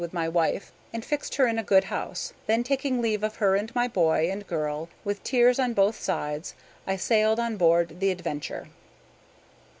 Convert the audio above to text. with my wife, and fixed her in a good house; then taking leave of her and my boy and girl, with tears on both sides, I sailed on board the "Adventure."